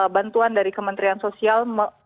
bantuan dari kementerian sosial